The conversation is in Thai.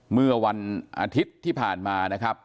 เมื่อวันอาทิตย์ที่ผ่านมานะครับ